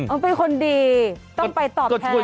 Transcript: เขาเป็นคนดีต้องไปตอบแทน